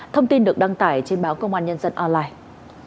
thông tin được đăng tải trên báo công an nhân dân online